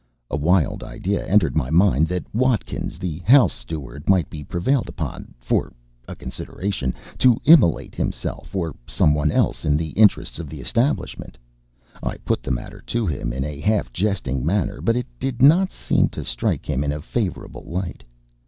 A wild idea entered my mind that Watkins, the house steward, might be prevailed upon for a consideration to immolate himself or someone else in the interests of the establishment. I put the matter to him in a half jesting manner; but it did not seem to strike him in a favourable light.